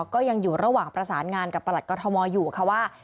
ก็ยังอยู่ระหว่างประสานงานกับตัดกฎมก้อยู่ว่า